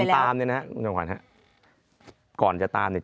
ที่ผมตามเนี่ยนะคุณจังหวัญครับ